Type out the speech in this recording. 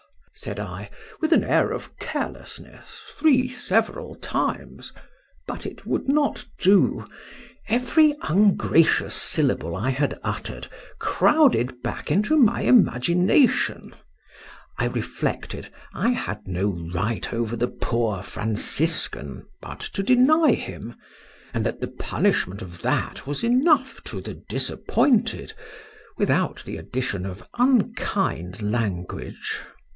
said I, with an air of carelessness, three several times—but it would not do: every ungracious syllable I had utter'd crowded back into my imagination: I reflected, I had no right over the poor Franciscan, but to deny him; and that the punishment of that was enough to the disappointed, without the addition of unkind language.